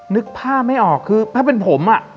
นึกภาพไม่ออกคือถ้าเป็นผมอ่ะ